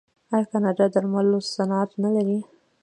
آیا کاناډا د درملو صنعت نلري؟